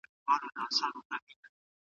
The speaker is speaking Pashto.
آیا ببۍ په کور کې وه؟